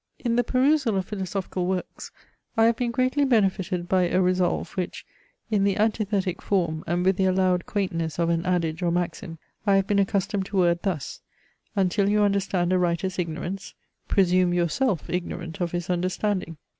In the perusal of philosophical works I have been greatly benefited by a resolve, which, in the antithetic form and with the allowed quaintness of an adage or maxim, I have been accustomed to word thus: until you understand a writer's ignorance, presume yourself ignorant of his understanding.